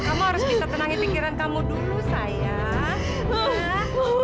kamu harus bisa tenangin pikiran kamu dulu sayang